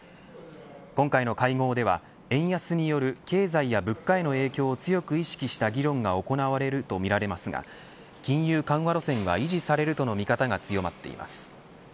今回の会合では円安による経済や物価への影響を強く意識した議論が行われるとみられますが金融緩和路線は維持されるとの見方が強まっています。